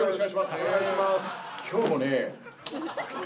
お願いします。